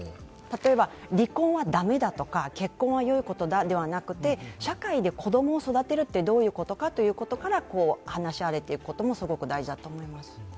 例えば離婚は駄目だとか結婚はよいことだではなくて社会で子供を育てるってどういうことかということから話し合われていくこともすごく大事だと思います。